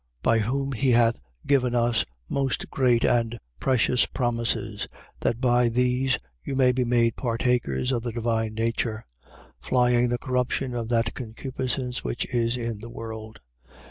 1:4. By whom he hath given us most great and precious promises: that by these you may be made partakers of the divine nature: flying the corruption of that concupiscence which is in the world.